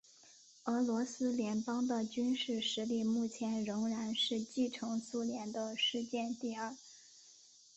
俄罗斯联邦的军事实力目前仍然是继承苏联的世界第二。